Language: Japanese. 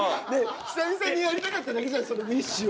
久々にやりたかっただけじゃんそのウィッシュを。